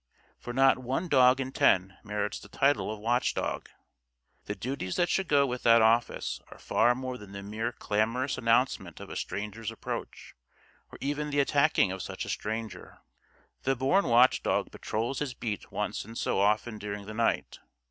For not one dog in ten merits the title of watch dog. The duties that should go with that office are far more than the mere clamorous announcement of a stranger's approach, or even the attacking of such a stranger. The born watch dog patrols his beat once in so often during the night.